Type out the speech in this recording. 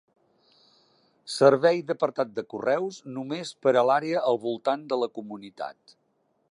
Servei d'apartat de correus només per a l'àrea al voltant de la comunitat.